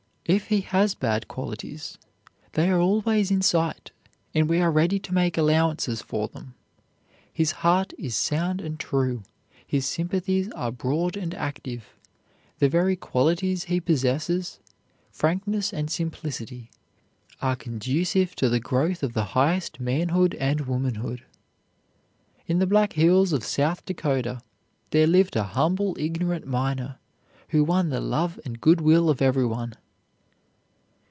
It he has bad qualities, they are always in sight, and we are ready to make allowances for them. His heart is sound and true, his sympathies are broad and active. The very qualities he possesses frankness and simplicity, are conducive to the growth of the highest manhood and womanhood. In the Black Hills of South Dakota there lived a humble, ignorant miner, who won the love and good will of everyone.